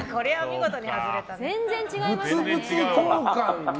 全然違いましたね。